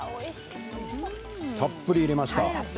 たっぷり入れました。